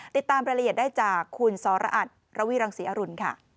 ติดตามประเรียบได้จากคุณซอราบระวีรังสีอะรุณ